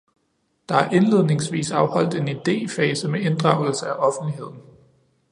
Der er indledningsvis afholdt en idéfase med inddragelse af offentligheden.